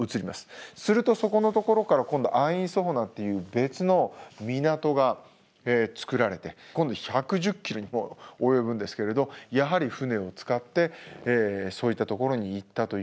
するとそこのところから今度アイン・ソホナっていう別の港がつくられて今度１１０ｋｍにも及ぶんですけれどやはり船を使ってそういったところに行ったというのが分かっています。